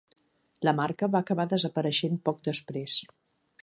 La marca va acabar desapareixent poc després.